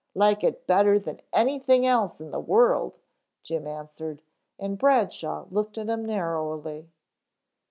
"Like it better than anything else in the world," Jim answered, and Bradshaw looked at him narrowly.